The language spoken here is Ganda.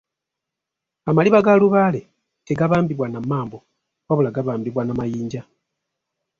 Amaliba ga Lubaale tegabambibwa na mmambo wabula gabambibwa na mayinja.